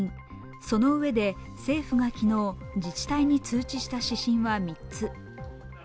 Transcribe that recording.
その上で、政府が昨日自治体に通知した指針は３つ。